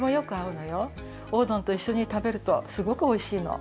おうどんといっしょに食べるとすごくおいしいの。